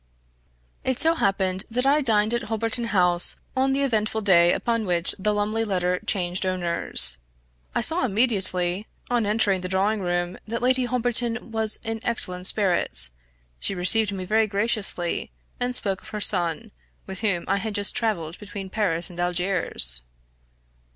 It so happened that I dined at Holberton House on the eventful day upon which the Lumley letter changed owners. I saw immediately, on entering the drawing room, that Lady Holberton was in excellent spirits; she received me very graciously, and spoke of her son, with whom I had just traveled between Paris and Algiers.